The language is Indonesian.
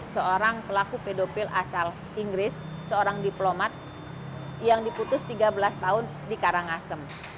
seorang pelaku pedofil asal inggris seorang diplomat yang diputus tiga belas tahun di karangasem